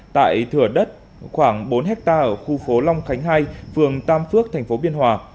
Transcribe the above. tại thừa đất khoảng bốn hectare ở khu phố long khánh hai phường tam phước tp biên hòa